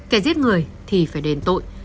kẻ giết người thì phải đền tội